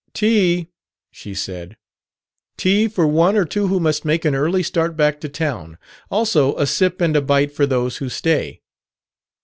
"Tea!" she said. "Tea for one or two who must make an early start back to town. Also a sip and a bite for those who stay."